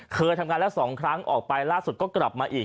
เคยทำงานแล้ว๒ครั้งออกไปล่าสุดก็กลับมาอีก